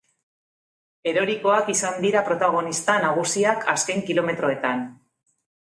Erorikoak izan dira protagonista nagusiak azken kilometroetan.